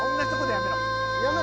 やめろ。